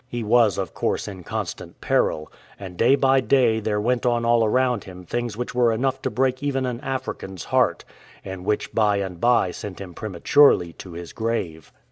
He was of course in constant peril, and day by day there went on all around him things which were enough to break even an African's heart, and which by and by sent him prematurely to his grave.